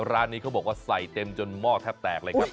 ร้านนี้เขาบอกว่าใส่เต็มจนหม้อแทบแตกเลยครับ